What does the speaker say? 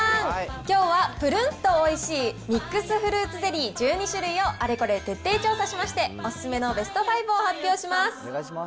きょうは、ぷるんとおいしいミックスフルーツゼリー１２種類をあれこれ徹底調査しまして、お勧めのベスト５を発表します。